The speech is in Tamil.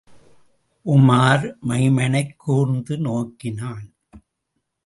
உமார் மைமனைக் கூர்ந்து நோக்கினான்.